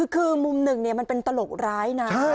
คือมุมหนึ่งมันเป็นตลกร้ายนะ